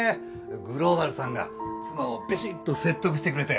グローバルさんが妻をびしっと説得してくれて。